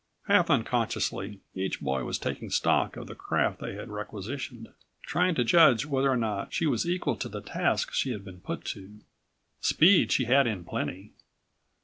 Half unconsciously each boy was taking stock of the craft they had requisitioned, trying to judge whether or not she was equal to the task she had been put to. Speed she had in plenty.